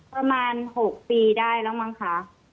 ประมาณ๖ปีได้แล้วมั้งคะ